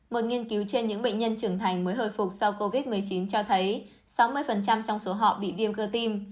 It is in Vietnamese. một nghiên cứu trên những bệnh nhân trưởng thành mới hồi phục sau covid một mươi chín cho thấy sáu mươi trong số họ bị viêm cơ tim